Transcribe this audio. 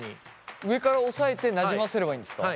上から押さえてなじませればいいんですか？